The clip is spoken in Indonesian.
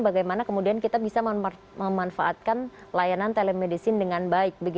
bagaimana kemudian kita bisa memanfaatkan layanan telemedicine dengan baik